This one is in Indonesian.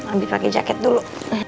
abi pakai jaket dulu